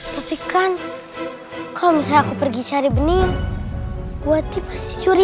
tapi kan kalau misalnya aku pergi cari bening buati pasti curiga